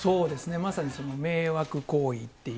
まさに迷惑行為っていう。